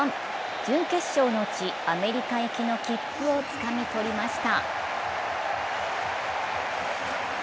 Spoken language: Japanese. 準決勝の地、アメリカ行きの切符をつかみ取りました。